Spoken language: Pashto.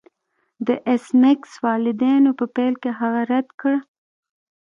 د ایس میکس والدینو په پیل کې هغه رد کړ